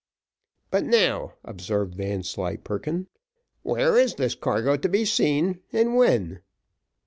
"But now," observed Vanslyperken, "where is this cargo to be seen, and when?"